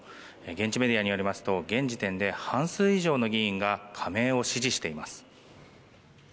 現地メディアによりますと現時点で半数以上の議員が加盟を支持しています。